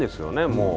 もう。